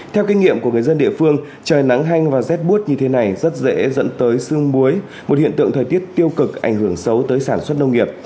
theo kinh nghiệm của người dân địa phương trời nắng hanh và rét bút như thế này rất dễ dẫn tới sương muối một hiện tượng thời tiết tiêu cực ảnh hưởng xấu tới sản xuất nông nghiệp